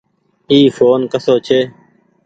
اي ڦون ڪسو ڇي۔